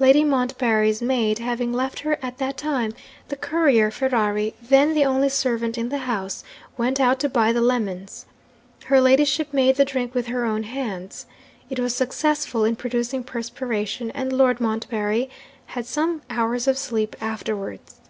Lady Montbarry's maid having left her at that time, the courier Ferrari (then the only servant in the house) went out to buy the lemons. Her ladyship made the drink with her own hands. It was successful in producing perspiration and Lord Montbarry had some hours of sleep afterwards.